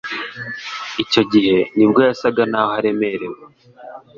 icyo gihe ni bwo yasaga naho aremerewe